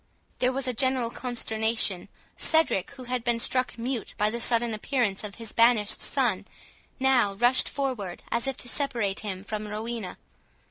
There was a general consternation. Cedric, who had been struck mute by the sudden appearance of his banished son, now rushed forward, as if to separate him from Rowena.